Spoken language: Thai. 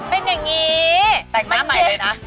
เป็นอย่างนี้